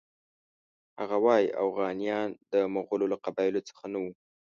هغه وایي اوغانیان د مغولو له قبایلو څخه نه وو.